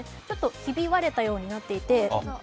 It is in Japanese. ひび割れたようになっていて。